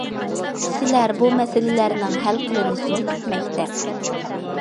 كىشىلەر بۇ مەسىلىلەرنىڭ ھەل قىلىنىشىنى كۈتمەكتە.